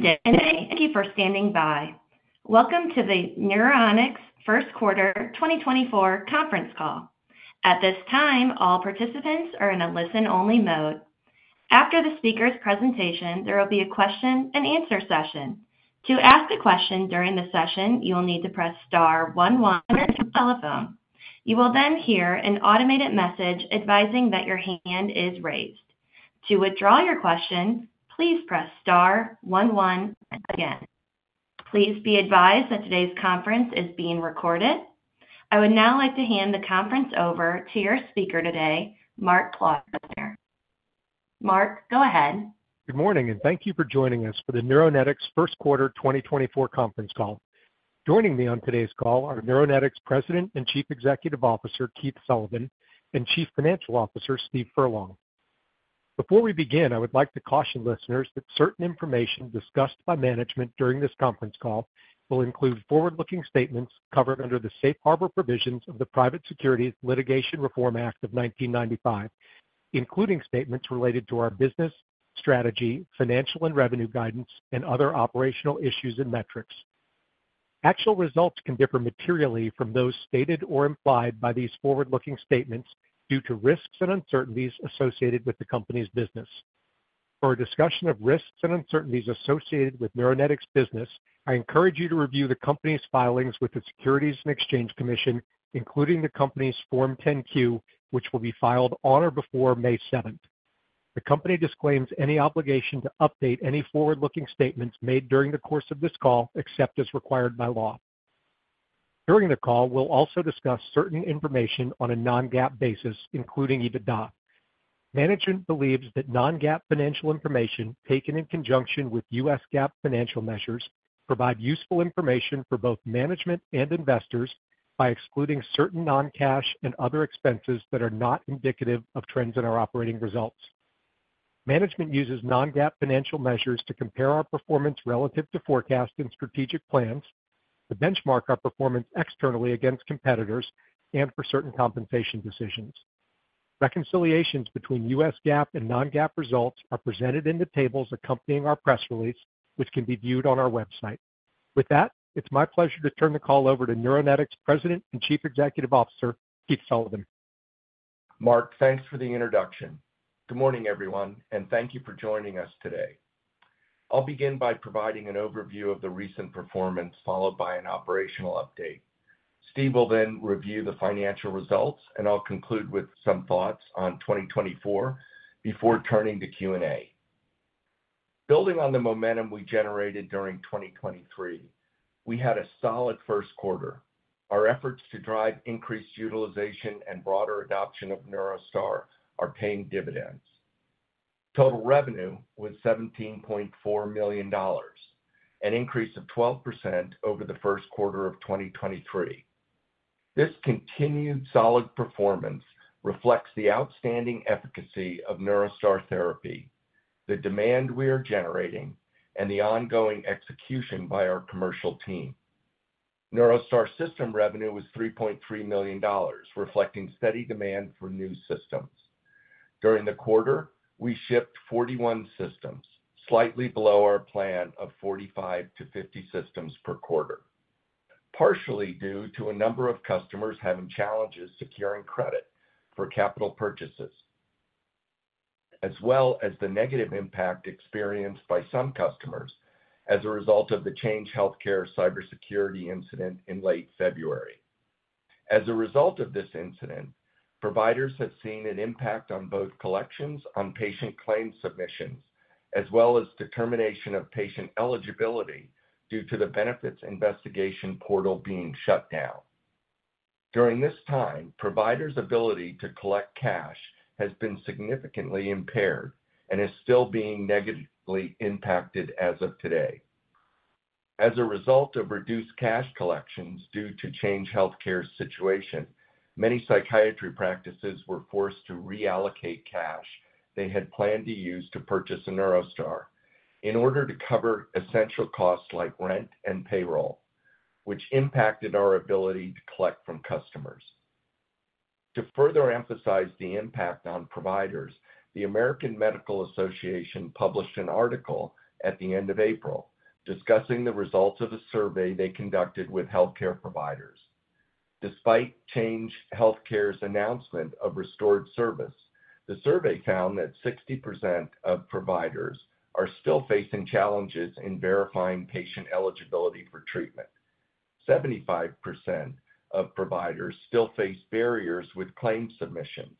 Good day, thank you for standing by. Welcome to the Neuronetics first quarter 2024 conference call. At this time, all participants are in a listen-only mode. After the speaker's presentation, there will be a question and answer session. To ask a question during the session, you will need to press star one one on your telephone. You will then hear an automated message advising that your hand is raised. To withdraw your question, please press star one one again. Please be advised that today's conference is being recorded. I would now like to hand the conference over to your speaker today, Mark Klausner. Mark, go ahead. Good morning, and thank you for joining us for the Neuronetics first quarter 2024 conference call. Joining me on today's call are Neuronetics President and Chief Executive Officer, Keith Sullivan, and Chief Financial Officer, Steve Furlong. Before we begin, I would like to caution listeners that certain information discussed by management during this conference call will include forward-looking statements covered under the Safe Harbor Provisions of the Private Securities Litigation Reform Act of 1995, including statements related to our business, strategy, financial and revenue guidance, and other operational issues and metrics. Actual results can differ materially from those stated or implied by these forward-looking statements due to risks and uncertainties associated with the company's business. For a discussion of risks and uncertainties associated with Neuronetics' business, I encourage you to review the company's filings with the Securities and Exchange Commission, including the company's Form 10-Q, which will be filed on or before May 7. The company disclaims any obligation to update any forward-looking statements made during the course of this call, except as required by law. During the call, we'll also discuss certain information on a non-GAAP basis, including EBITDA. Management believes that non-GAAP financial information, taken in conjunction with U.S. GAAP financial measures, provide useful information for both management and investors by excluding certain non-cash and other expenses that are not indicative of trends in our operating results. Management uses non-GAAP financial measures to compare our performance relative to forecast and strategic plans, to benchmark our performance externally against competitors, and for certain compensation decisions. Reconciliations between U.S. GAAP and non-GAAP results are presented in the tables accompanying our press release, which can be viewed on our website. With that, it's my pleasure to turn the call over to Neuronetics President and Chief Executive Officer, Keith Sullivan. Mark, thanks for the introduction. Good morning, everyone, and thank you for joining us today. I'll begin by providing an overview of the recent performance, followed by an operational update. Steve will then review the financial results, and I'll conclude with some thoughts on 2024 before turning to Q&A. Building on the momentum we generated during 2023, we had a solid first quarter. Our efforts to drive increased utilization and broader adoption of NeuroStar are paying dividends. Total revenue was $17.4 million, an increase of 12% over the first quarter of 2023. This continued solid performance reflects the outstanding efficacy of NeuroStar therapy, the demand we are generating, and the ongoing execution by our commercial team. NeuroStar system revenue was $3.3 million, reflecting steady demand for new systems. During the quarter, we shipped 41 systems, slightly below our plan of 45-50 systems per quarter, partially due to a number of customers having challenges securing credit for capital purchases, as well as the negative impact experienced by some customers as a result of the Change Healthcare cybersecurity incident in late February. As a result of this incident, providers have seen an impact on both collections on patient claims submissions, as well as determination of patient eligibility due to the benefits investigation portal being shut down. During this time, providers' ability to collect cash has been significantly impaired and is still being negatively impacted as of today. As a result of reduced cash collections due to Change Healthcare's situation, many psychiatry practices were forced to reallocate cash they had planned to use to purchase a NeuroStar in order to cover essential costs like rent and payroll, which impacted our ability to collect from customers. To further emphasize the impact on providers, the American Medical Association published an article at the end of April discussing the results of a survey they conducted with healthcare providers. Despite Change Healthcare's announcement of restored service, the survey found that 60% of providers are still facing challenges in verifying patient eligibility for treatment. 75% of providers still face barriers with claims submissions,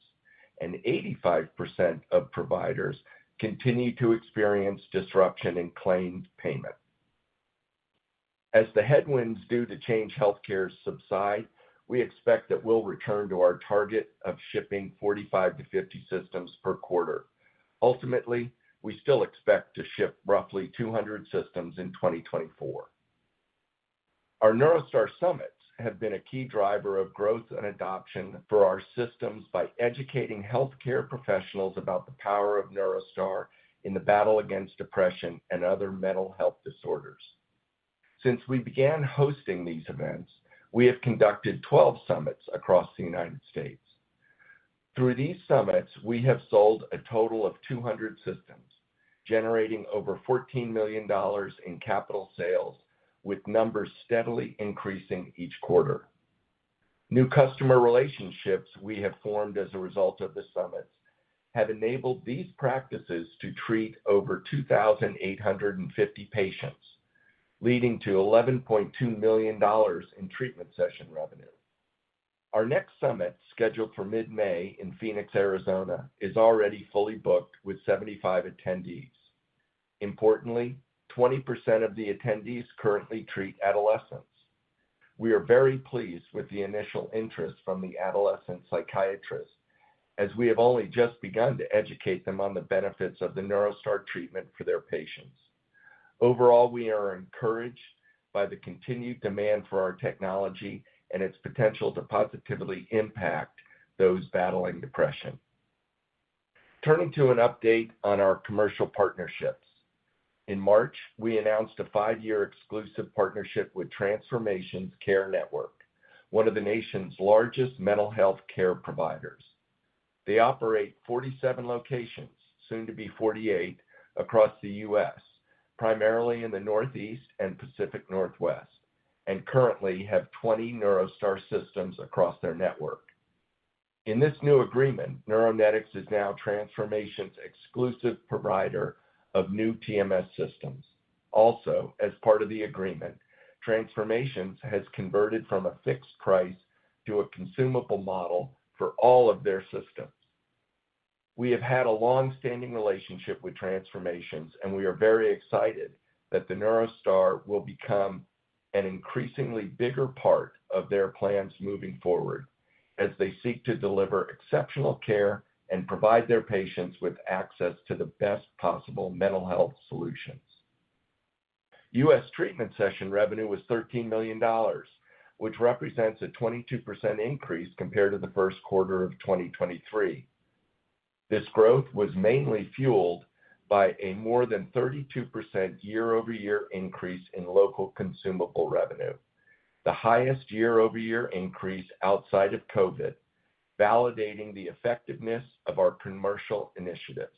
and 85% of providers continue to experience disruption in claims payment. As the headwinds due to Change Healthcare subside, we expect that we'll return to our target of shipping 45-50 systems per quarter. Ultimately, we still expect to ship roughly 200 systems in 2024. Our NeuroStar summits have been a key driver of growth and adoption for our systems by educating healthcare professionals about the power of NeuroStar in the battle against depression and other mental health disorders. Since we began hosting these events, we have conducted 12 summits across the United States. Through these summits, we have sold a total of 200 systems, generating over $14 million in capital sales, with numbers steadily increasing each quarter. New customer relationships we have formed as a result of the summits have enabled these practices to treat over 2,850 patients, leading to $11.2 million in treatment session revenue. Our next summit, scheduled for mid-May in Phoenix, Arizona, is already fully booked with 75 attendees. Importantly, 20% of the attendees currently treat adolescents. We are very pleased with the initial interest from the adolescent psychiatrists, as we have only just begun to educate them on the benefits of the NeuroStar treatment for their patients. Overall, we are encouraged by the continued demand for our technology and its potential to positively impact those battling depression. Turning to an update on our commercial partnerships. In March, we announced a 5-year exclusive partnership with Transformations Care Network, one of the nation's largest mental health care providers. They operate 47 locations, soon to be 48, across the U.S., primarily in the Northeast and Pacific Northwest, and currently have 20 NeuroStar systems across their network. In this new agreement, Neuronetics is now Transformations' exclusive provider of new TMS systems. Also, as part of the agreement, Transformations has converted from a fixed price to a consumable model for all of their systems. We have had a long-standing relationship with Transformations, and we are very excited that the NeuroStar will become an increasingly bigger part of their plans moving forward as they seek to deliver exceptional care and provide their patients with access to the best possible mental health solutions. U.S. treatment session revenue was $13 million, which represents a 22% increase compared to the first quarter of 2023. This growth was mainly fueled by a more than 32% year-over-year increase in local consumable revenue, the highest year-over-year increase outside of COVID, validating the effectiveness of our commercial initiatives.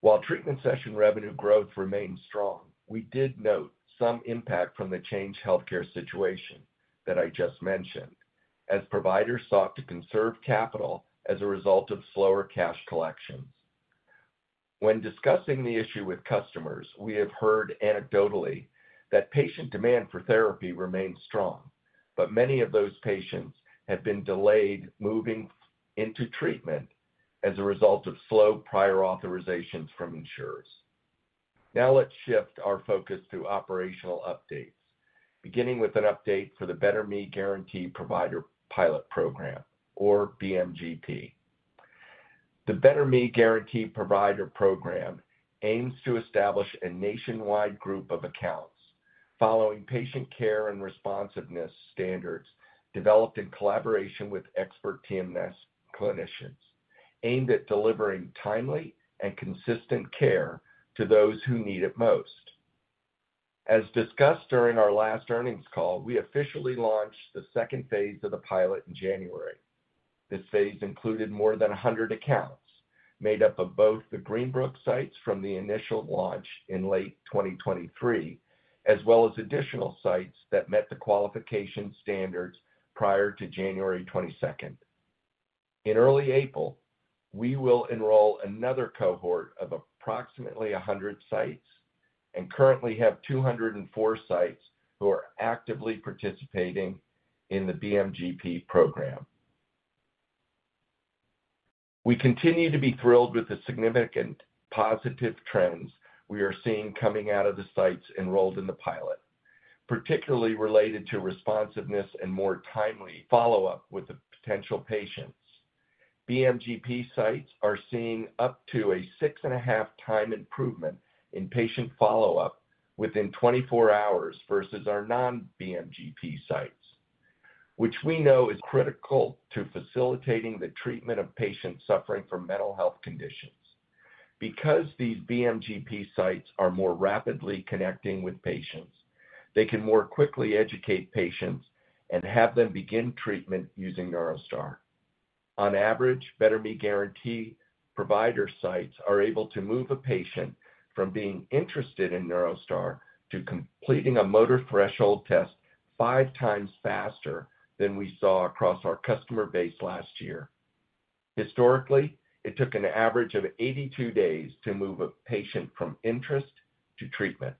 While treatment session revenue growth remains strong, we did note some impact from the changed healthcare situation that I just mentioned, as providers sought to conserve capital as a result of slower cash collections. When discussing the issue with customers, we have heard anecdotally that patient demand for therapy remains strong, but many of those patients have been delayed moving into treatment as a result of slow prior authorizations from insurers. Now let's shift our focus to operational updates, beginning with an update for the Better Me Guarantee Provider Pilot Program, or BMGP. The Better Me Guarantee Provider Program aims to establish a nationwide group of accounts following patient care and responsiveness standards developed in collaboration with expert TMS clinicians, aimed at delivering timely and consistent care to those who need it most. As discussed during our last earnings call, we officially launched the phase II of the pilot in January. This phase included more than 100 accounts, made up of both the Greenbrook sites from the initial launch in late 2023, as well as additional sites that met the qualification standards prior to January 22nd. In early April, we will enroll another cohort of approximately 100 sites and currently have 204 sites who are actively participating in the BMGP program. We continue to be thrilled with the significant positive trends we are seeing coming out of the sites enrolled in the pilot, particularly related to responsiveness and more timely follow-up with the potential patients. BMGP sites are seeing up to a 6.5-time improvement in patient follow-up within 24 hours versus our non-BMGP sites, which we know is critical to facilitating the treatment of patients suffering from mental health conditions. Because these BMGP sites are more rapidly connecting with patients, they can more quickly educate patients and have them begin treatment using NeuroStar. On average, Better Me Guarantee provider sites are able to move a patient from being interested in NeuroStar to completing a motor threshold test five times faster than we saw across our customer base last year. Historically, it took an average of 82 days to move a patient from interest to treatment.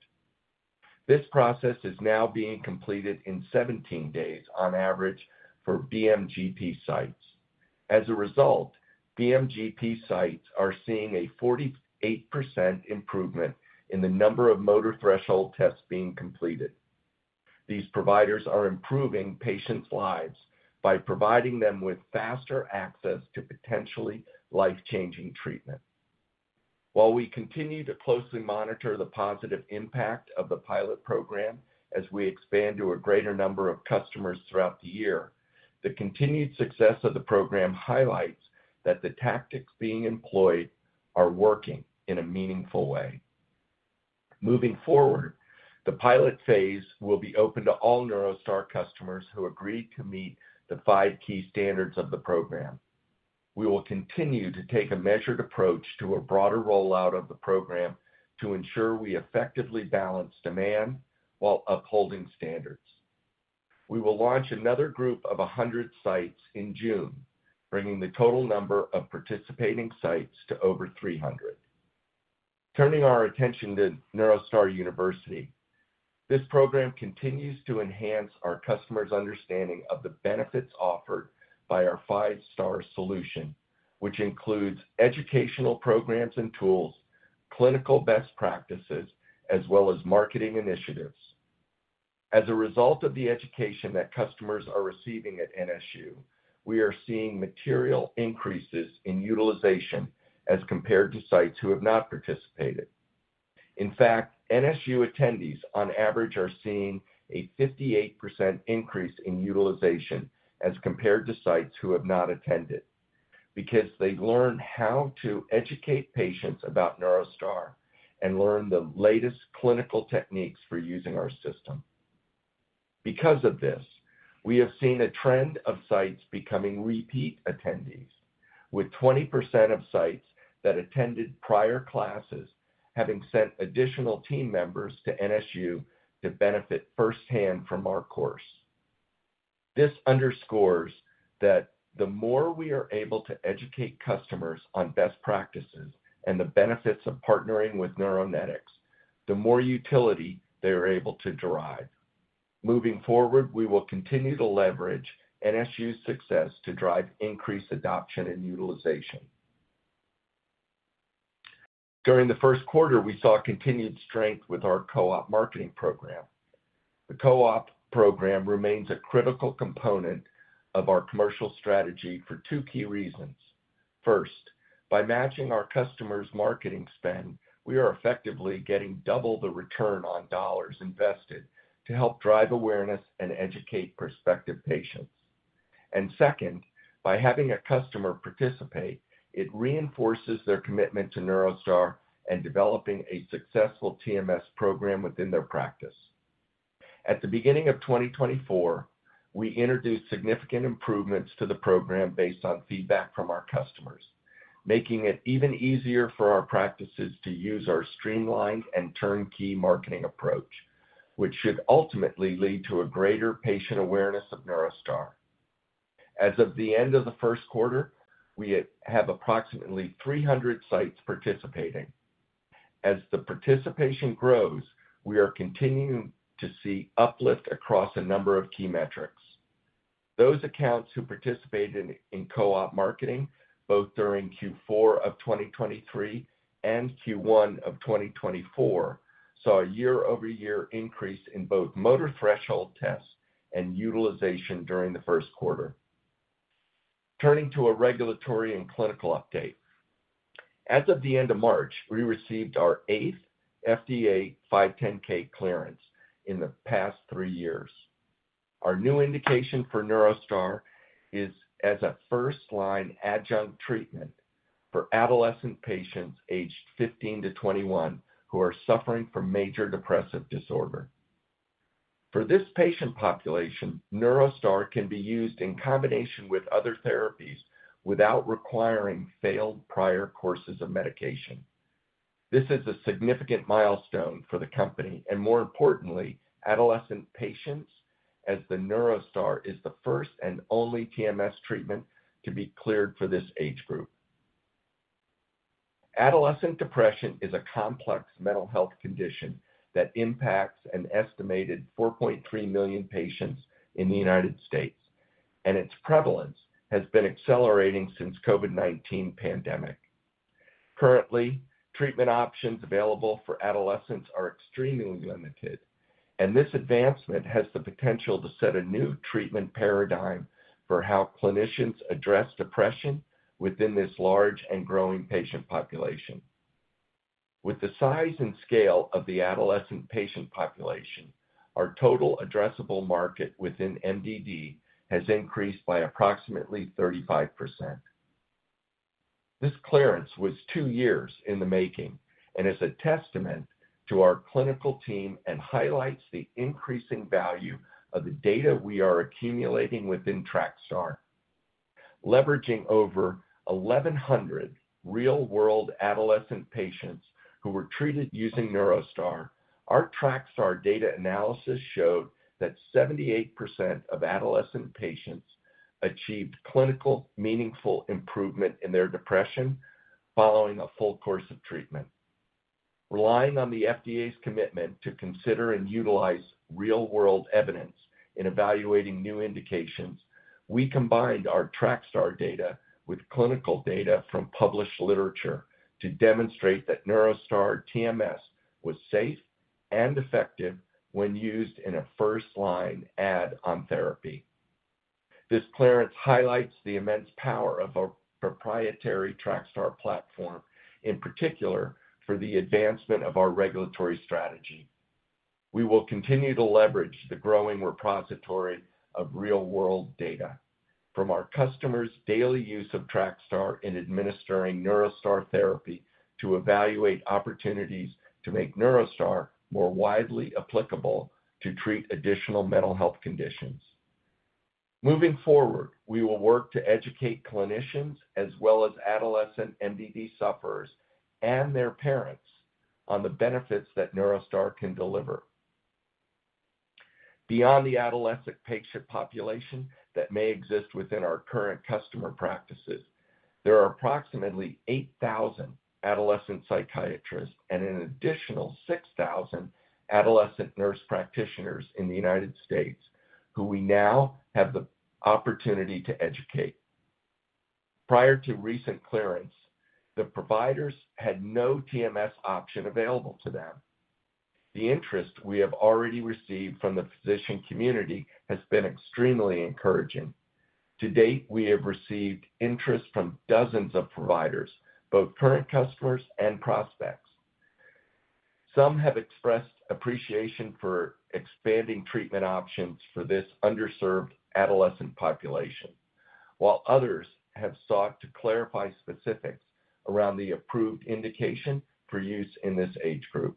This process is now being completed in 17 days on average for BMGP sites. As a result, BMGP sites are seeing a 48% improvement in the number of motor threshold tests being completed. These providers are improving patients' lives by providing them with faster access to potentially life-changing treatment. While we continue to closely monitor the positive impact of the pilot program as we expand to a greater number of customers throughout the year, the continued success of the program highlights that the tactics being employed are working in a meaningful way. Moving forward, the pilot phase will be open to all NeuroStar customers who agree to meet the 5 key standards of the program. We will continue to take a measured approach to a broader rollout of the program to ensure we effectively balance demand while upholding standards. We will launch another group of 100 sites in June, bringing the total number of participating sites to over 300. Turning our attention to NeuroStar University. This program continues to enhance our customers' understanding of the benefits offered by our five-star solution, which includes educational programs and tools, clinical best practices, as well as marketing initiatives. As a result of the education that customers are receiving at NSU, we are seeing material increases in utilization as compared to sites who have not participated. In fact, NSU attendees, on average, are seeing a 58% increase in utilization as compared to sites who have not attended, because they've learned how to educate patients about NeuroStar and learn the latest clinical techniques for using our system. Because of this, we have seen a trend of sites becoming repeat attendees, with 20% of sites that attended prior classes having sent additional team members to NSU to benefit firsthand from our course. This underscores that the more we are able to educate customers on best practices and the benefits of partnering with Neuronetics, the more utility they are able to derive. Moving forward, we will continue to leverage NSU's success to drive increased adoption and utilization. During the first quarter, we saw continued strength with our co-op marketing program. The co-op program remains a critical component of our commercial strategy for two key reasons. First, by matching our customers' marketing spend, we are effectively getting double the return on dollars invested to help drive awareness and educate prospective patients. And second, by having a customer participate, it reinforces their commitment to NeuroStar and developing a successful TMS program within their practice. At the beginning of 2024, we introduced significant improvements to the program based on feedback from our customers, making it even easier for our practices to use our streamlined and turnkey marketing approach, which should ultimately lead to a greater patient awareness of NeuroStar. As of the end of the first quarter, we have approximately 300 sites participating. As the participation grows, we are continuing to see uplift across a number of key metrics. Those accounts who participated in co-op marketing, both during Q4 of 2023 and Q1 of 2024, saw a year-over-year increase in both motor threshold tests and utilization during the first quarter. Turning to a regulatory and clinical update. As of the end of March, we received our 8th FDA 510(k) clearance in the past 3 years. Our new indication for NeuroStar is as a first-line adjunct treatment for adolescent patients aged 15 to 21 who are suffering from major depressive disorder. For this patient population, NeuroStar can be used in combination with other therapies without requiring failed prior courses of medication. This is a significant milestone for the company, and more importantly, adolescent patients, as the NeuroStar is the first and only TMS treatment to be cleared for this age group. Adolescent depression is a complex mental health condition that impacts an estimated 4.3 million patients in the United States, and its prevalence has been accelerating since COVID-19 pandemic. Currently, treatment options available for adolescents are extremely limited, and this advancement has the potential to set a new treatment paradigm for how clinicians address depression within this large and growing patient population. With the size and scale of the adolescent patient population, our total addressable market within MDD has increased by approximately 35%. This clearance was 2 years in the making and is a testament to our clinical team and highlights the increasing value of the data we are accumulating within Trakstar. Leveraging over 1,100 real-world adolescent patients who were treated using NeuroStar, our Trakstar data analysis showed that 78% of adolescent patients achieved clinically meaningful improvement in their depression following a full course of treatment. Relying on the FDA's commitment to consider and utilize real-world evidence in evaluating new indications, we combined our Trakstar data with clinical data from published literature to demonstrate that NeuroStar TMS was safe and effective when used in a first-line add-on therapy. This clearance highlights the immense power of our proprietary Trakstar platform, in particular for the advancement of our regulatory strategy... We will continue to leverage the growing repository of real-world data from our customers' daily use of Trakstar in administering NeuroStar therapy to evaluate opportunities to make NeuroStar more widely applicable to treat additional mental health conditions. Moving forward, we will work to educate clinicians as well as adolescent MDD sufferers and their parents on the benefits that NeuroStar can deliver. Beyond the adolescent patient population that may exist within our current customer practices, there are approximately 8,000 adolescent psychiatrists and an additional 6,000 adolescent nurse practitioners in the United States who we now have the opportunity to educate. Prior to recent clearance, the providers had no TMS option available to them. The interest we have already received from the physician community has been extremely encouraging. To date, we have received interest from dozens of providers, both current customers and prospects. Some have expressed appreciation for expanding treatment options for this underserved adolescent population, while others have sought to clarify specifics around the approved indication for use in this age group.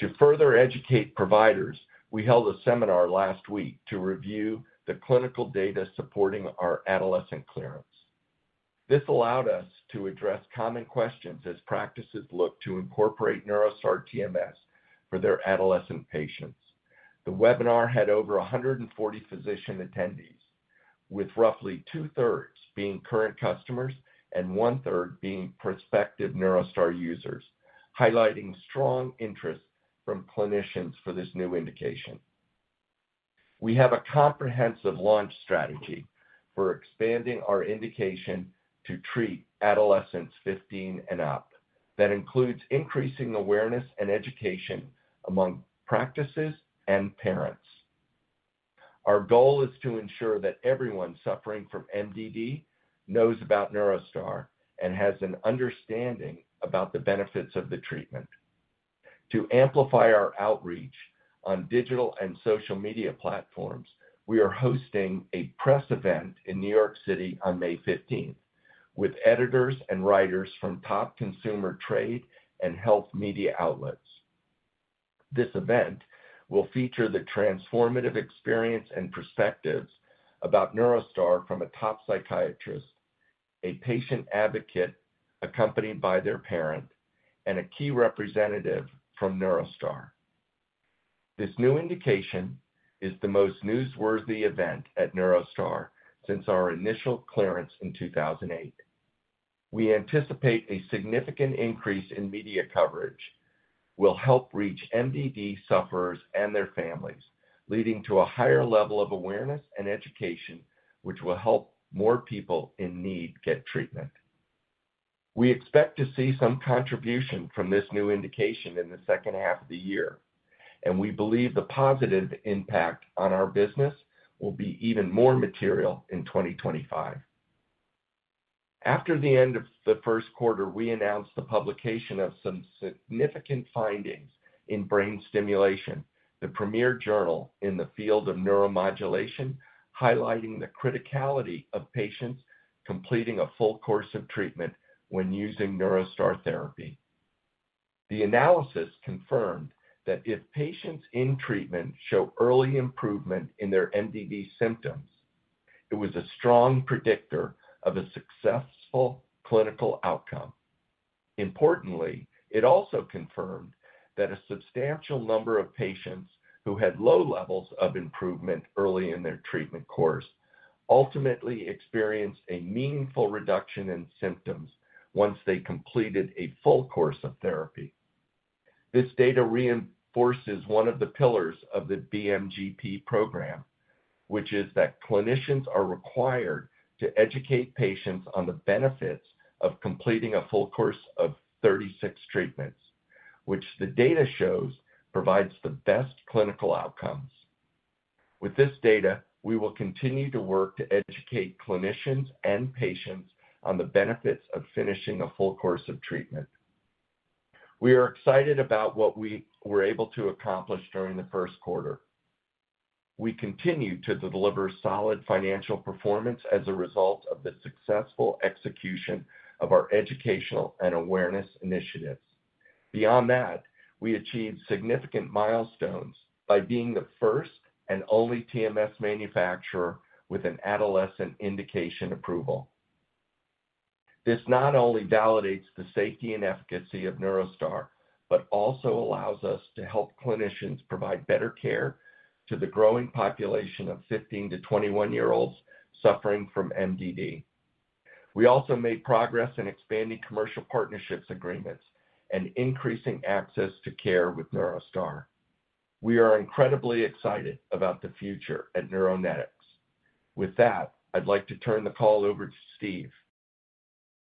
To further educate providers, we held a seminar last week to review the clinical data supporting our adolescent clearance. This allowed us to address common questions as practices look to incorporate NeuroStar TMS for their adolescent patients. The webinar had over 140 physician attendees, with roughly two-thirds being current customers and one-third being prospective NeuroStar users, highlighting strong interest from clinicians for this new indication. We have a comprehensive launch strategy for expanding our indication to treat adolescents 15 and up, that includes increasing awareness and education among practices and parents. Our goal is to ensure that everyone suffering from MDD knows about NeuroStar and has an understanding about the benefits of the treatment. To amplify our outreach on digital and social media platforms, we are hosting a press event in New York City on May 15th, with editors and writers from top consumer trade and health media outlets. This event will feature the transformative experience and perspectives about NeuroStar from a top psychiatrist, a patient advocate accompanied by their parent, and a key representative from NeuroStar. This new indication is the most newsworthy event at NeuroStar since our initial clearance in 2008. We anticipate a significant increase in media coverage will help reach MDD sufferers and their families, leading to a higher level of awareness and education, which will help more people in need get treatment. We expect to see some contribution from this new indication in the second half of the year, and we believe the positive impact on our business will be even more material in 2025. After the end of the first quarter, we announced the publication of some significant findings in Brain Stimulation, the premier journal in the field of neuromodulation, highlighting the criticality of patients completing a full course of treatment when using NeuroStar therapy. The analysis confirmed that if patients in treatment show early improvement in their MDD symptoms, it was a strong predictor of a successful clinical outcome. Importantly, it also confirmed that a substantial number of patients who had low levels of improvement early in their treatment course ultimately experienced a meaningful reduction in symptoms once they completed a full course of therapy. This data reinforces one of the pillars of the BMGP program, which is that clinicians are required to educate patients on the benefits of completing a full course of 36 treatments, which the data shows provides the best clinical outcomes. With this data, we will continue to work to educate clinicians and patients on the benefits of finishing a full course of treatment. We are excited about what we were able to accomplish during the first quarter. We continue to deliver solid financial performance as a result of the successful execution of our educational and awareness initiatives. Beyond that, we achieved significant milestones by being the first and only TMS manufacturer with an adolescent indication approval. This not only validates the safety and efficacy of NeuroStar, but also allows us to help clinicians provide better care to the growing population of 15- to 21-year-olds suffering from MDD. We also made progress in expanding commercial partnerships agreements and increasing access to care with NeuroStar. We are incredibly excited about the future at Neuronetics. With that, I'd like to turn the call over to Steve.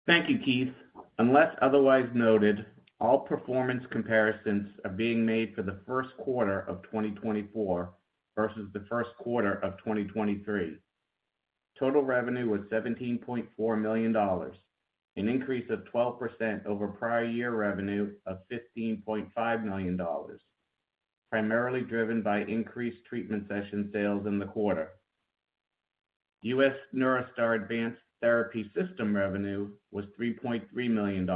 Thank you, Keith. Unless otherwise noted, all performance comparisons are being made for the first quarter of 2024 versus the first quarter of 2023. Total revenue was $17.4 million, an increase of 12% over prior year revenue of $15.5 million, primarily driven by increased treatment session sales in the quarter. U.S. NeuroStar Advanced Therapy System revenue was $3.3 million,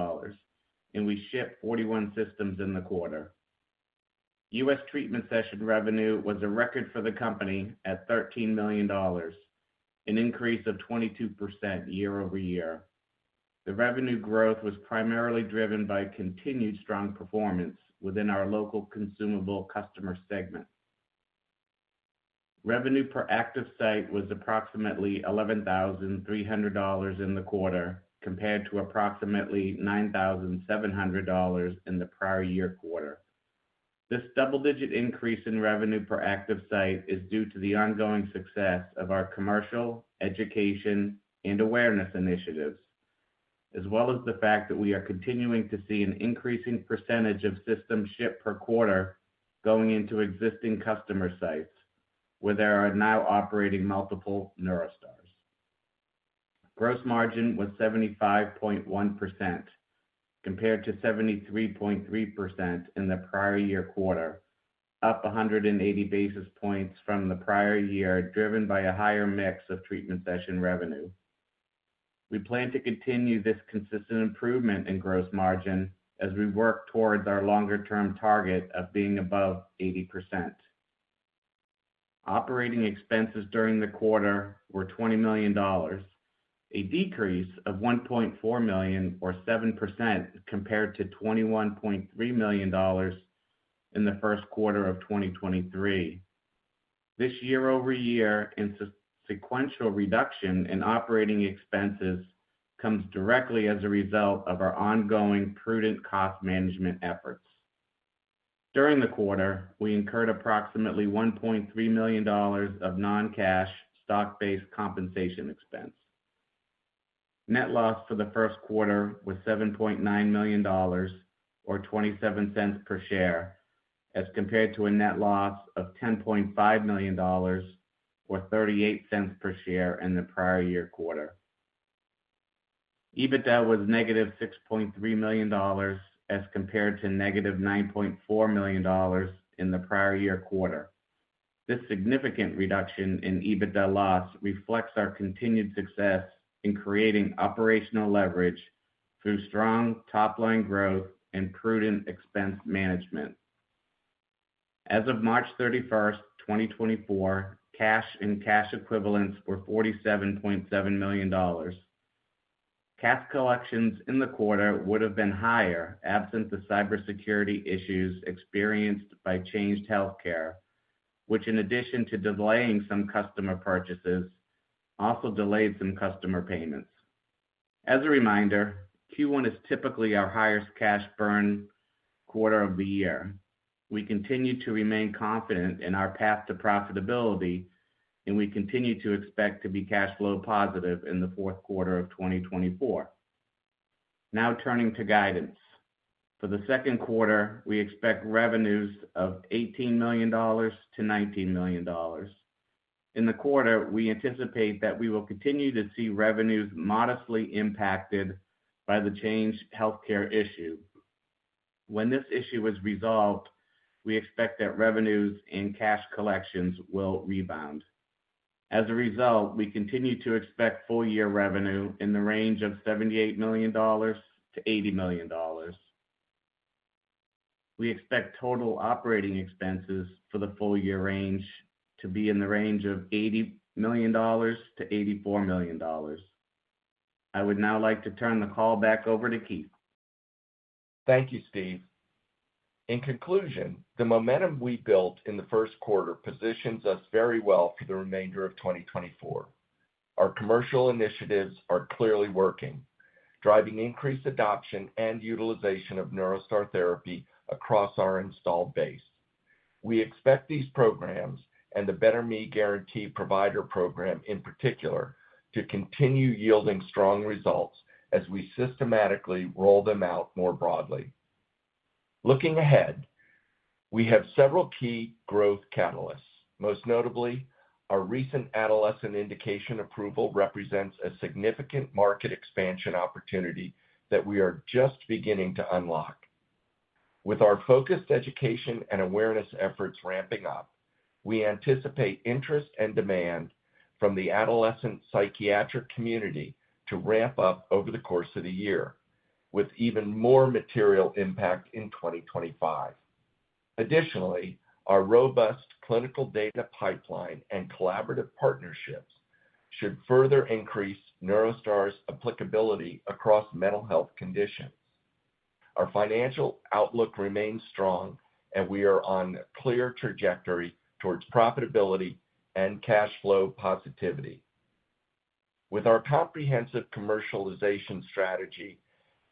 and we shipped 41 systems in the quarter. U.S. treatment session revenue was a record for the company at $13 million, an increase of 22% year-over-year. The revenue growth was primarily driven by continued strong performance within our local consumable customer segment. Revenue per active site was approximately $11,300 in the quarter, compared to approximately $9,700 in the prior year quarter. This double-digit increase in revenue per active site is due to the ongoing success of our commercial, education, and awareness initiatives, as well as the fact that we are continuing to see an increasing percentage of systems shipped per quarter going into existing customer sites, where there are now operating multiple NeuroStars. Gross margin was 75.1%, compared to 73.3% in the prior year quarter, up 180 basis points from the prior year, driven by a higher mix of treatment session revenue. We plan to continue this consistent improvement in gross margin as we work towards our longer-term target of being above 80%. Operating expenses during the quarter were $20 million, a decrease of $1.4 million or 7% compared to $21.3 million in the first quarter of 2023. This year-over-year and sequential reduction in operating expenses comes directly as a result of our ongoing prudent cost management efforts. During the quarter, we incurred approximately $1.3 million of non-cash stock-based compensation expense. Net loss for the first quarter was $7.9 million, or $0.27 per share, as compared to a net loss of $10.5 million, or $0.38 per share in the prior year quarter. EBITDA was -$6.3 million, as compared to -$9.4 million in the prior year quarter. This significant reduction in EBITDA loss reflects our continued success in creating operational leverage through strong top-line growth and prudent expense management. As of March 31, 2024, cash and cash equivalents were $47.7 million. Cash collections in the quarter would have been higher, absent the cybersecurity issues experienced by Change Healthcare, which, in addition to delaying some customer purchases, also delayed some customer payments. As a reminder, Q1 is typically our highest cash burn quarter of the year. We continue to remain confident in our path to profitability, and we continue to expect to be cash flow positive in the fourth quarter of 2024. Now turning to guidance. For the second quarter, we expect revenues of $18 million-$19 million. In the quarter, we anticipate that we will continue to see revenues modestly impacted by the Change Healthcare issue. When this issue is resolved, we expect that revenues and cash collections will rebound. As a result, we continue to expect full year revenue in the range of $78 million-$80 million. We expect total operating expenses for the full year range to be in the range of $80 million-$84 million. I would now like to turn the call back over to Keith. Thank you, Steve. In conclusion, the momentum we built in the first quarter positions us very well for the remainder of 2024. Our commercial initiatives are clearly working, driving increased adoption and utilization of NeuroStar therapy across our installed base. We expect these programs, and the Better Me Guarantee Provider Program in particular, to continue yielding strong results as we systematically roll them out more broadly. Looking ahead, we have several key growth catalysts. Most notably, our recent adolescent indication approval represents a significant market expansion opportunity that we are just beginning to unlock. With our focused education and awareness efforts ramping up, we anticipate interest and demand from the adolescent psychiatric community to ramp up over the course of the year, with even more material impact in 2025. Additionally, our robust clinical data pipeline and collaborative partnerships should further increase NeuroStar's applicability across mental health conditions. Our financial outlook remains strong, and we are on a clear trajectory towards profitability and cash flow positivity. With our comprehensive commercialization strategy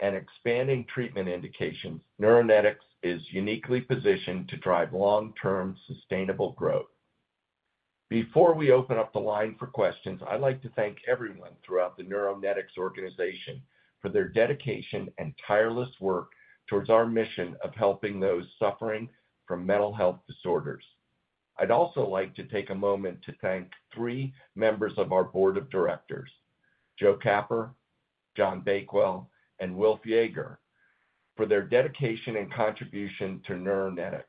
and expanding treatment indications, Neuronetics is uniquely positioned to drive long-term, sustainable growth. Before we open up the line for questions, I'd like to thank everyone throughout the Neuronetics organization for their dedication and tireless work towards our mission of helping those suffering from mental health disorders... I'd also like to take a moment to thank three members of our board of directors, Joe Capper, John Bakewell, and Wilfred Jaeger, for their dedication and contribution to Neuronetics,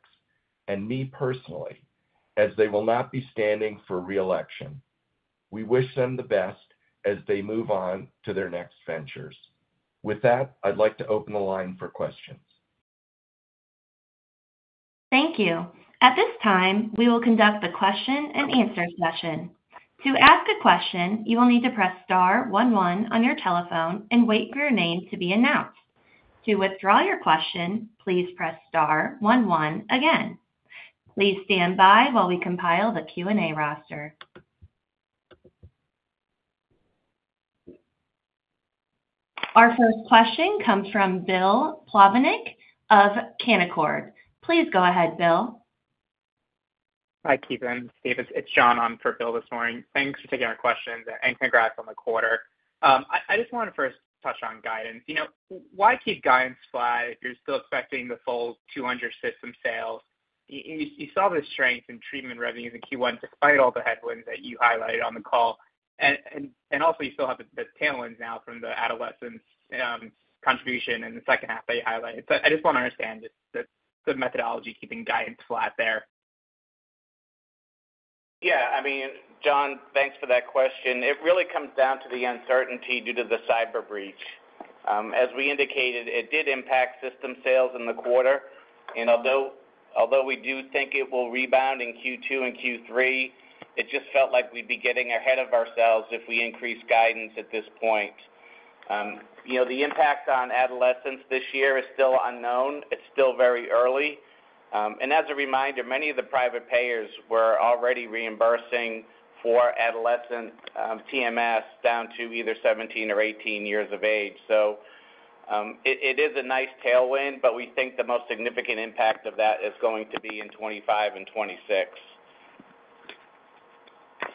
and me personally, as they will not be standing for re-election. We wish them the best as they move on to their next ventures. With that, I'd like to open the line for questions. Thank you. At this time, we will conduct a question-and-answer session. To ask a question, you will need to press star one one on your telephone and wait for your name to be announced. To withdraw your question, please press star one one again. Please stand by while we compile the Q&A roster. Our first question comes from Bill Plovanic of Canaccord. Please go ahead, Bill. Hi, Keith and Steve. It's John on for Bill this morning. Thanks for taking our questions, and congrats on the quarter. I just want to first touch on guidance. You know, why keep guidance flat if you're still expecting the full 200 system sales? You saw the strength in treatment revenues in Q1, despite all the headwinds that you highlighted on the call, and also you still have the tailwinds now from the adolescents contribution in the second half that you highlighted. So I just want to understand the methodology keeping guidance flat there. Yeah, I mean, John, thanks for that question. It really comes down to the uncertainty due to the cyber breach. As we indicated, it did impact system sales in the quarter, and although we do think it will rebound in Q2 and Q3, it just felt like we'd be getting ahead of ourselves if we increased guidance at this point. You know, the impact on adolescents this year is still unknown. It's still very early. And as a reminder, many of the private payers were already reimbursing for adolescent TMS down to either 17 or 18 years of age. So, it is a nice tailwind, but we think the most significant impact of that is going to be in 2025 and 2026.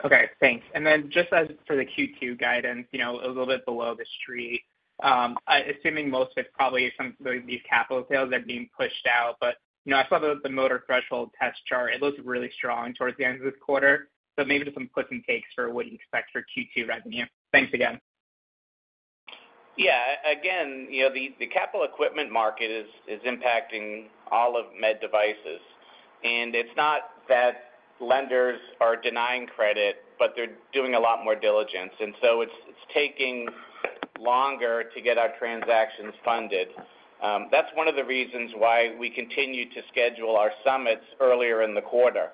Okay, thanks. And then just as for the Q2 guidance, you know, a little bit below the street. I'm assuming most of it's probably some of these capital sales are being pushed out, but, you know, I saw the motor threshold test chart. It looks really strong towards the end of this quarter, so maybe just some gives and takes for what you expect for Q2 revenue. Thanks again. Yeah. Again, you know, the capital equipment market is impacting all of med devices, and it's not that lenders are denying credit, but they're doing a lot more diligence, and so it's taking longer to get our transactions funded. That's one of the reasons why we continue to schedule our summits earlier in the quarter.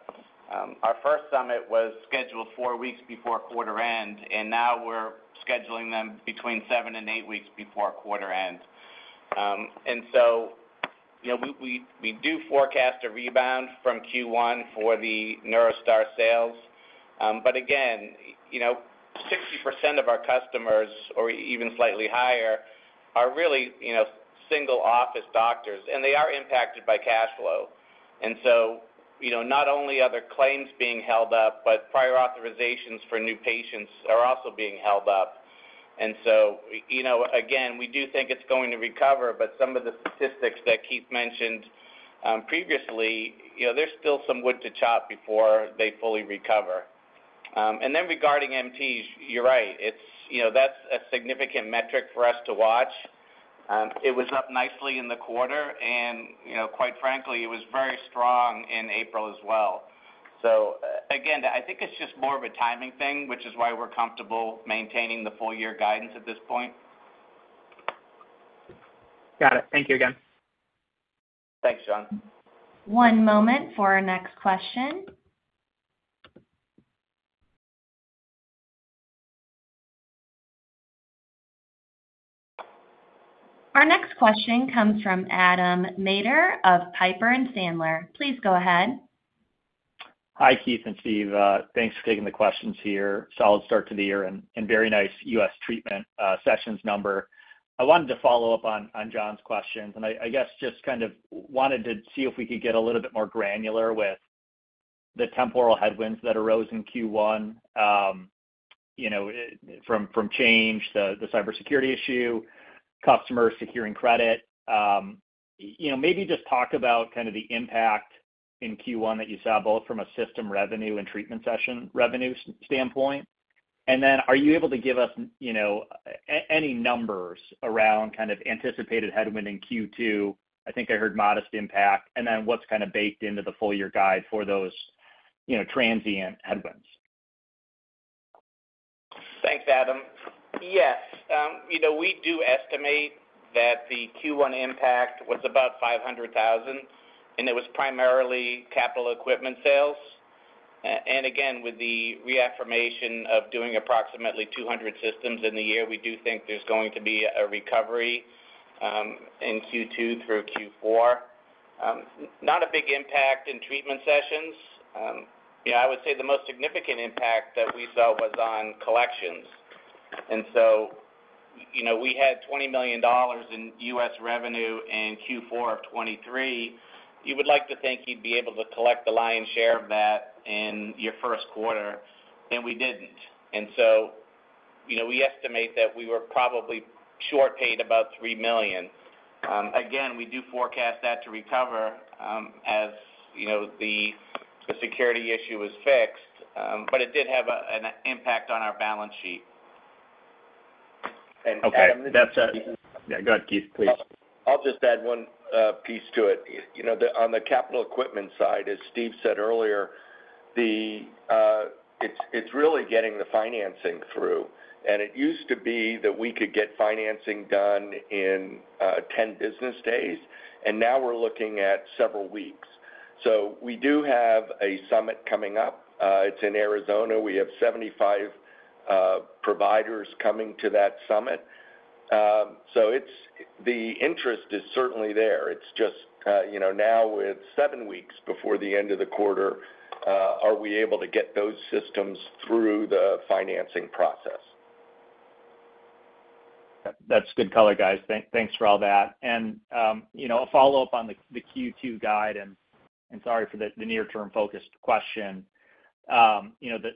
Our first summit was scheduled 4 weeks before quarter end, and now we're scheduling them between 7 and 8 weeks before quarter end. And so, you know, we do forecast a rebound from Q1 for the NeuroStar sales. But again, you know, 60% of our customers, or even slightly higher, are really, you know, single-office doctors, and they are impacted by cash flow. And so, you know, not only are the claims being held up, but prior authorizations for new patients are also being held up. And so, you know, again, we do think it's going to recover, but some of the statistics that Keith mentioned, previously, you know, there's still some wood to chop before they fully recover. And then regarding MTs, you're right, it's... You know, that's a significant metric for us to watch. It was up nicely in the quarter, and, you know, quite frankly, it was very strong in April as well. So again, I think it's just more of a timing thing, which is why we're comfortable maintaining the full year guidance at this point. Got it. Thank you again. Thanks, John. One moment for our next question. Our next question comes from Adam Maeder of Piper Sandler. Please go ahead. Hi, Keith and Steve. Thanks for taking the questions here. Solid start to the year and very nice U.S. treatment sessions number. I wanted to follow up on John's questions, and I guess just kind of wanted to see if we could get a little bit more granular with the temporal headwinds that arose in Q1, you know, from Change, the cybersecurity issue, customers securing credit. You know, maybe just talk about kind of the impact in Q1 that you saw, both from a system revenue and treatment session revenue standpoint. And then are you able to give us, you know, any numbers around kind of anticipated headwind in Q2? I think I heard modest impact. And then what's kind of baked into the full year guide for those, you know, transient headwinds? Thanks, Adam. Yes, you know, we do estimate that the Q1 impact was about $500,000, and it was primarily capital equipment sales. And again, with the reaffirmation of doing approximately 200 systems in the year, we do think there's going to be a recovery in Q2 through Q4. Not a big impact in treatment sessions. Yeah, I would say the most significant impact that we saw was on collections. And so, you know, we had $20 million in U.S. revenue in Q4 of 2023. You would like to think you'd be able to collect the lion's share of that in your first quarter, and we didn't. And so, you know, we estimate that we were probably short paid about $3 million. Again, we do forecast that to recover, as you know, the security issue is fixed, but it did have an impact on our balance sheet. And Adam- Okay, that's. Yeah, go ahead, Keith, please. I'll just add one piece to it. You know, on the capital equipment side, as Steve said earlier, it's really getting the financing through. And it used to be that we could get financing done in 10 business days, and now we're looking at several weeks. So we do have a summit coming up, it's in Arizona. We have 75 providers coming to that summit. So the interest is certainly there. It's just, you know, now with 7 weeks before the end of the quarter, are we able to get those systems through the financing process? That's good color, guys. Thanks, thanks for all that. You know, a follow-up on the Q2 guide, and sorry for the near-term focused question. You know, the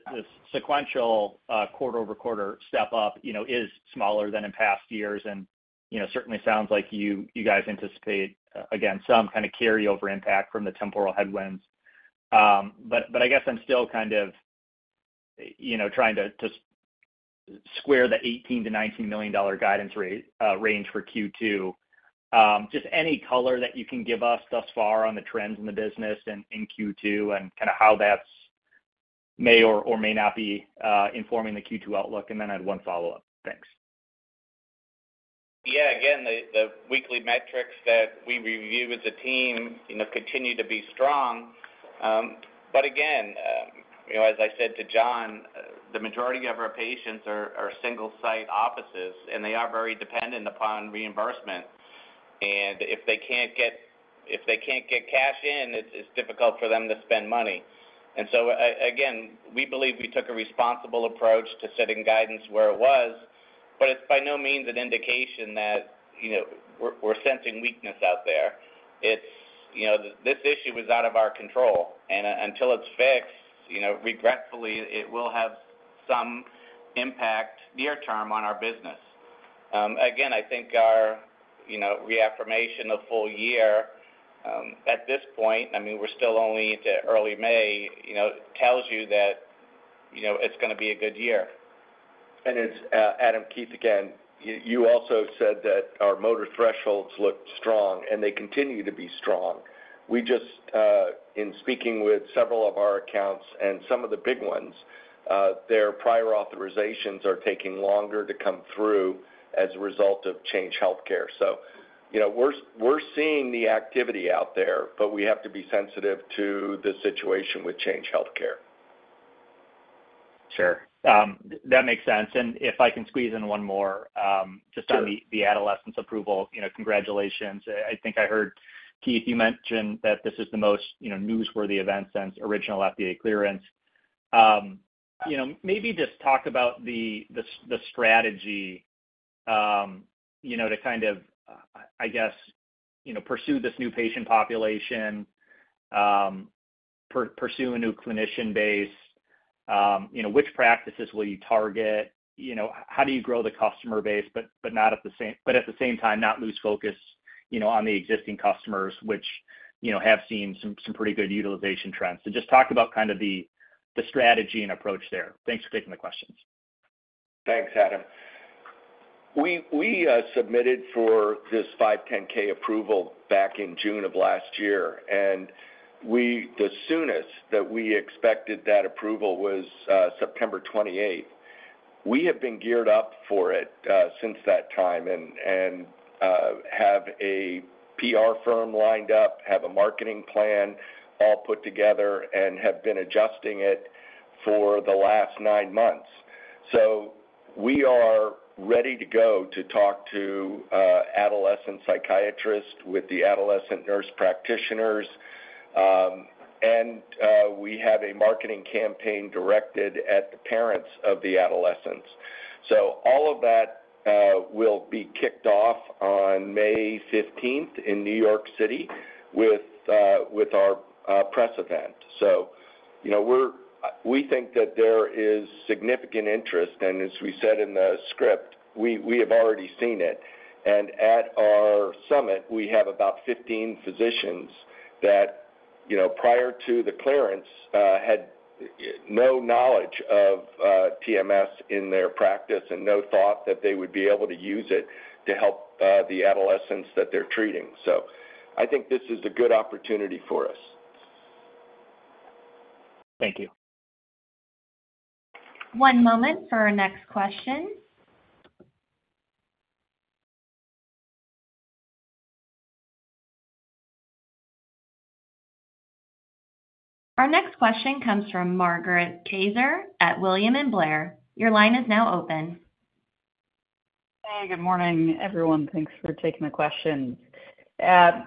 sequential quarter-over-quarter step up, you know, is smaller than in past years, and you know, certainly sounds like you guys anticipate, again, some kind of carryover impact from the temporary headwinds. But I guess I'm still kind of, you know, trying to square the $18 million-$19 million guidance range for Q2. Just any color that you can give us thus far on the trends in the business in Q2 and kind of how that may or may not be informing the Q2 outlook, and then I had one follow-up. Thanks. Yeah, again, the weekly metrics that we review as a team, you know, continue to be strong. But again, you know, as I said to John, the majority of our patients are single site offices, and they are very dependent upon reimbursement. And if they can't get cash in, it's difficult for them to spend money. And so again, we believe we took a responsible approach to setting guidance where it was, but it's by no means an indication that, you know, we're sensing weakness out there. It's, you know, this issue was out of our control, and until it's fixed, you know, regretfully, it will have some impact near term on our business. Again, I think our, you know, reaffirmation of full year at this point, I mean, we're still only into early May, you know, tells you that, you know, it's gonna be a good year. It's, Adam, Keith, again, you also said that our motor thresholds looked strong, and they continue to be strong. We just, in speaking with several of our accounts and some of the big ones, their prior authorizations are taking longer to come through as a result of Change Healthcare. So, you know, we're seeing the activity out there, but we have to be sensitive to the situation with Change Healthcare. Sure. That makes sense. And if I can squeeze in one more, Sure. Just on the adolescent approval, you know, congratulations. I think I heard, Keith, you mention that this is the most, you know, newsworthy event since original FDA clearance. You know, maybe just talk about the strategy, you know, to kind of, I guess, you know, pursue this new patient population, pursue a new clinician base. You know, which practices will you target? You know, how do you grow the customer base, but at the same time, not lose focus, you know, on the existing customers, which, you know, have seen some pretty good utilization trends. So just talk about kind of the strategy and approach there. Thanks for taking the questions. Thanks, Adam. We submitted for this 510(k) approval back in June of last year, and the soonest that we expected that approval was September 28th. We have been geared up for it since that time, and have a PR firm lined up, have a marketing plan all put together, and have been adjusting it for the last 9 months. So we are ready to go to talk to adolescent psychiatrists with the adolescent nurse practitioners, and we have a marketing campaign directed at the parents of the adolescents. So all of that will be kicked off on May 15th in New York City with our press event. So, you know, we think that there is significant interest, and as we said in the script, we have already seen it. At our summit, we have about 15 physicians that, you know, prior to the clearance, had no knowledge of TMS in their practice and no thought that they would be able to use it to help the adolescents that they're treating. I think this is a good opportunity for us. Thank you. One moment for our next question. Our next question comes from Margaret Kaczor at William Blair. Your line is now open. Hey, good morning, everyone. Thanks for taking the questions. Yeah,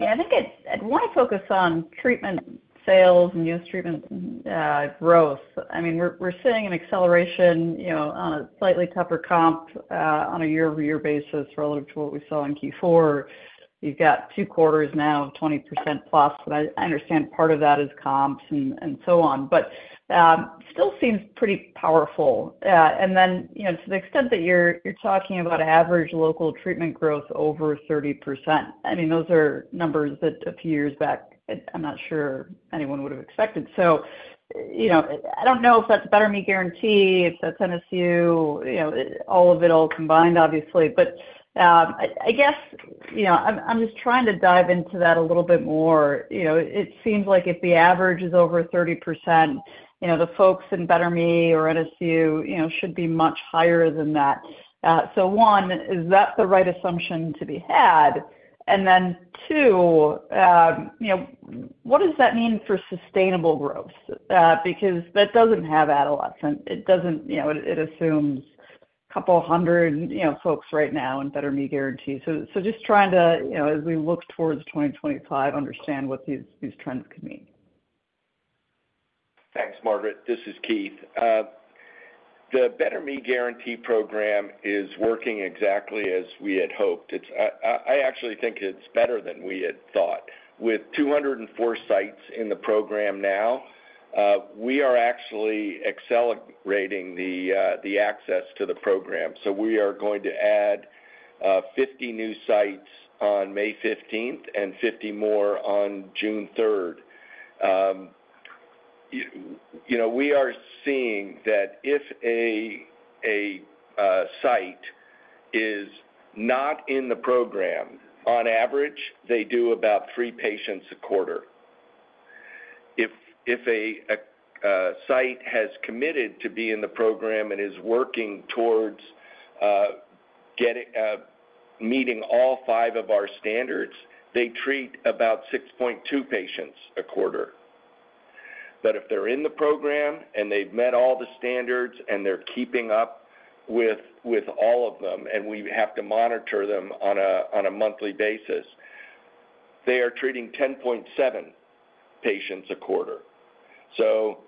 I think I, I'd wanna focus on treatment sales and youth treatment growth. I mean, we're, we're seeing an acceleration, you know, on a slightly tougher comp, on a year-over-year basis relative to what we saw in Q4. You've got two quarters now of 20%+, but I, I understand part of that is comps and, and so on. But, still seems pretty powerful. And then, you know, to the extent that you're, you're talking about average local treatment growth over 30%, I mean, those are numbers that a few years back, I'm not sure anyone would have expected. So, you know, I don't know if that's Better Me Guarantee, if that's NSU, you know, all of it all combined, obviously. But, I guess, you know, I'm just trying to dive into that a little bit more. You know, it seems like if the average is over 30%, you know, the folks in Better Me or NSU, you know, should be much higher than that. So one, is that the right assumption to be had? And then two, you know, what does that mean for sustainable growth? Because that doesn't have adolescent. It doesn't, you know, it assumes a couple 100, you know, folks right now in Better Me Guarantee. So just trying to, you know, as we look towards 2025, understand what these trends could mean. Thanks, Margaret. This is Keith. The Better Me Guarantee program is working exactly as we had hoped. It's actually I think it's better than we had thought. With 204 sites in the program now, we are actually accelerating the access to the program. So we are going to add 50 new sites on May fifteenth and 50 more on June third. You know, we are seeing that if a site is not in the program, on average, they do about 3 patients a quarter. If a site has committed to be in the program and is working towards getting meeting all 5 of our standards, they treat about 6.2 patients a quarter. But if they're in the program and they've met all the standards, and they're keeping up with all of them, and we have to monitor them on a monthly basis, they are treating 10.7 patients a quarter. So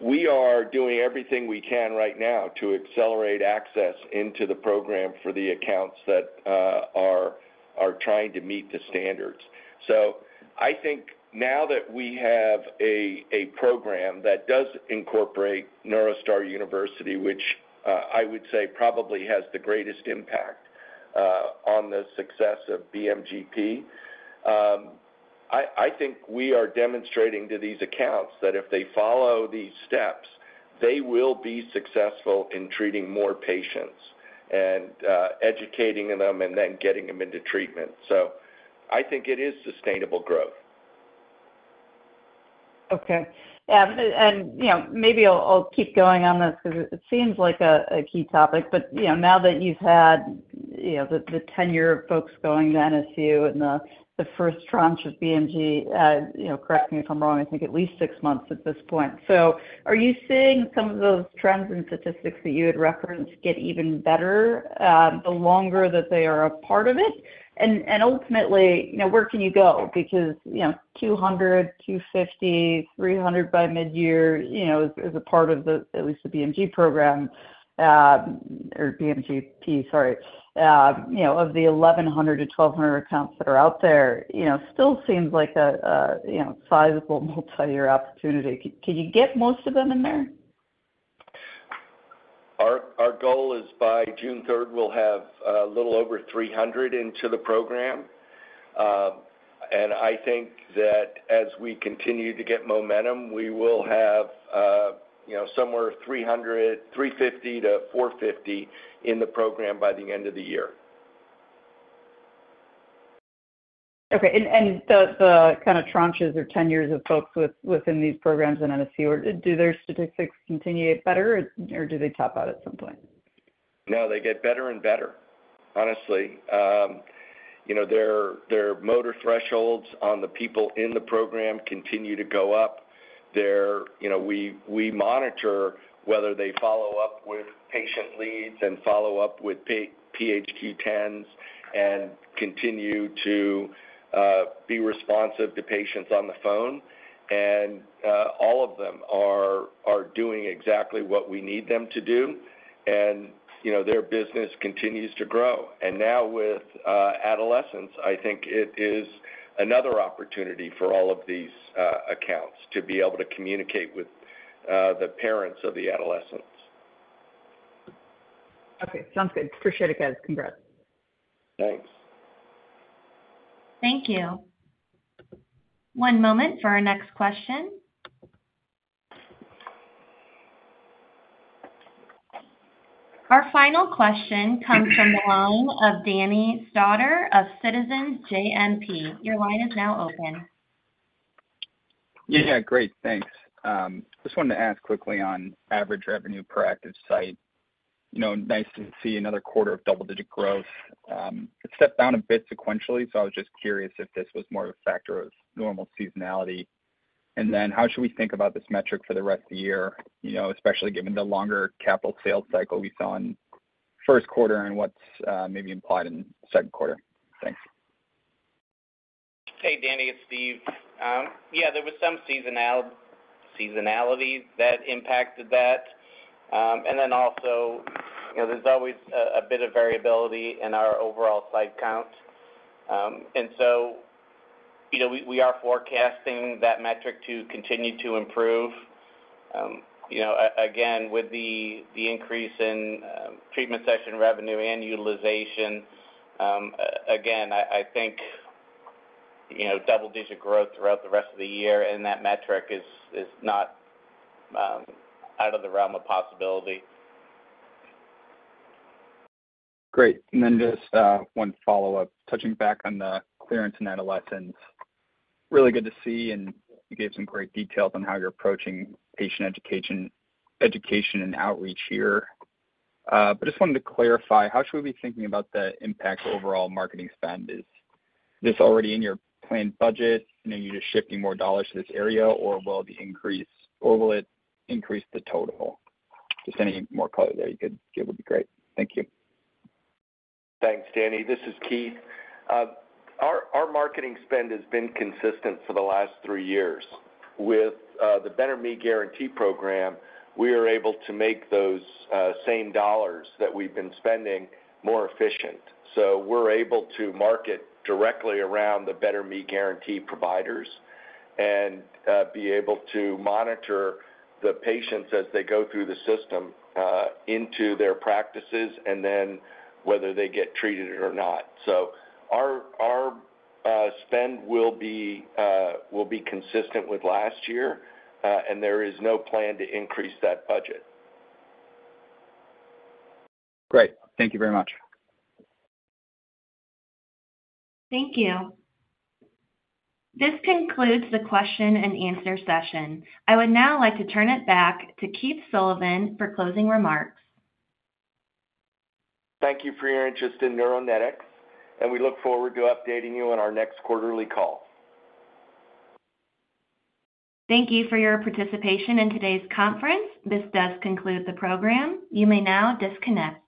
we are doing everything we can right now to accelerate access into the program for the accounts that are trying to meet the standards. So I think now that we have a program that does incorporate NeuroStar University, which I would say probably has the greatest impact on the success of BMGP, I think we are demonstrating to these accounts that if they follow these steps, they will be successful in treating more patients and educating them and then getting them into treatment. So I think it is sustainable growth. Okay. Yeah, and you know, maybe I'll keep going on this because it seems like a key topic. But you know, now that you've had the tenure of folks going to NSU and the first tranche of BMG, you know, correct me if I'm wrong, I think at least six months at this point. So are you seeing some of those trends and statistics that you had referenced get even better, the longer that they are a part of it? And ultimately, you know, where can you go? Because, you know, 200, 250, 300 by midyear, you know, as a part of the, at least the BMG program, or BMGP, sorry, you know, of the 1,100-1,200 accounts that are out there, you know, still seems like a sizable multiyear opportunity. Can you get most of them in there? Our goal is by June third, we'll have a little over 300 into the program. I think that as we continue to get momentum, we will have, you know, somewhere 300, 350-450 in the program by the end of the year. Okay. And the kind of tranches or tenures of folks within these programs in NSU, do their statistics continue to get better, or do they top out at some point? No, they get better and better, honestly. You know, their motor thresholds on the people in the program continue to go up. You know, we monitor whether they follow up with patient leads and follow up with PHQ-10s and continue to be responsive to patients on the phone, and all of them are doing exactly what we need them to do, and you know, their business continues to grow. And now with adolescents, I think it is another opportunity for all of these accounts to be able to communicate with the parents of the adolescents. Okay, sounds good. Appreciate it, guys. Congrats. Thanks. Thank you. One moment for our next question. Our final question comes from the line of Danny Stauder of Citizens JMP. Your line is now open. Yeah, great, thanks. Just wanted to ask quickly on average revenue per active site. You know, nice to see another quarter of double-digit growth. It stepped down a bit sequentially, so I was just curious if this was more of a factor of normal seasonality. And then how should we think about this metric for the rest of the year, you know, especially given the longer capital sales cycle we saw in the first quarter and what's maybe implied in the second quarter? Thanks. Hey, Danny, it's Steve. Yeah, there was some seasonality that impacted that. And then also, you know, there's always a bit of variability in our overall site count. And so, you know, we are forecasting that metric to continue to improve. You know, again, with the increase in treatment session revenue and utilization, again, I think, you know, double-digit growth throughout the rest of the year in that metric is not out of the realm of possibility. Great. And then just one follow-up. Touching back on the clearance in adolescents, really good to see, and you gave some great details on how you're approaching patient education and outreach here. But just wanted to clarify, how should we be thinking about the impact overall marketing spend? Is this already in your planned budget and then you're just shifting more dollars to this area, or will it increase the total? Just any more color there you could give would be great. Thank you. Thanks, Danny. This is Keith. Our marketing spend has been consistent for the last three years. With the Better Me Guarantee program, we are able to make those same dollars that we've been spending more efficient. So we're able to market directly around the Better Me Guarantee providers and be able to monitor the patients as they go through the system into their practices, and then whether they get treated or not. So our spend will be consistent with last year, and there is no plan to increase that budget. Great. Thank you very much. Thank you. This concludes the question-and-answer session. I would now like to turn it back to Keith Sullivan for closing remarks. Thank you for your interest in Neuronetics, and we look forward to updating you on our next quarterly call. Thank you for your participation in today's conference. This does conclude the program. You may now disconnect.